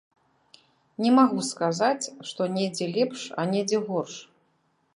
Не магу сказаць, што недзе лепш, а недзе горш.